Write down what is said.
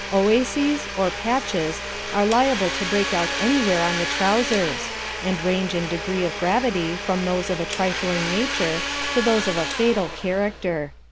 Oases, or Patches, are liable to break out anywhere on the trousers, and range in degree of gravity from those of a trifling nature to those of a fatal character.